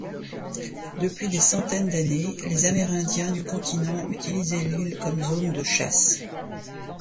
Depuis des centaines d'années, les Amérindiens du continent utilisaient l'île comme zone de chasse.